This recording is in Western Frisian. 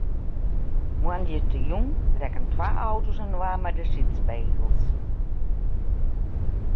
Moandeitejûn rekken twa auto's inoar mei de sydspegels.